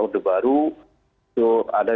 udhubaru itu ada